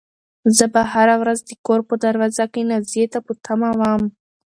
زه به هره ورځ د کور په دروازه کې نازيې ته په تمه وم.